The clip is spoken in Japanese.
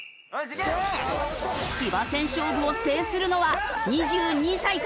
騎馬戦勝負を制するのは２２歳か？